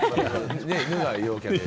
犬が陽キャで。